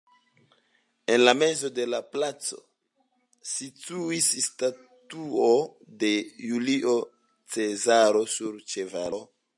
En la mezo de la placo situis statuo de Julio Cezaro sur ĉevalo.